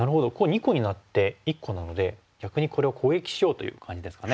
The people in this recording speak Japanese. ２個になって１個なので逆にこれを攻撃しようという感じですかね。